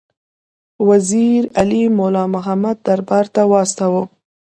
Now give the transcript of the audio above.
وزیر علي مُلا محمد دربار ته واستاوه.